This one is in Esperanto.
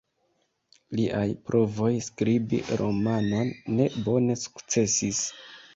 Liaj provoj skribi romanon ne bone sukcesis.